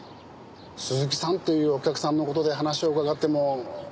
鈴木さんというお客さんの事で話を伺っても。